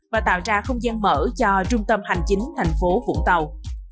và tạo ra không gian mở cho trung tâm hành chính tp vũng tàu